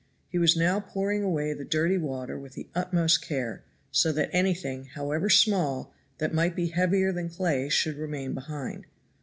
He was now pouring away the dirty water with the utmost care, so that anything, however small, that might be heavier than clay should remain behind.